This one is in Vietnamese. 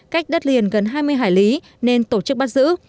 cách đất liền gần hai mươi hải lý nên tổ chức bắt giữ